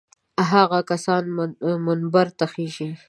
هغه کسان منبر ته خېژي.